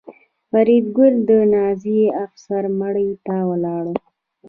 فریدګل د نازي افسر مړي ته ولاړ و